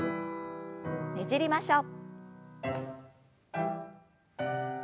ねじりましょう。